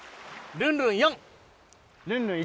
ルンルン１。